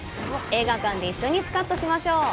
映画館で一緒にスカッとしましょう！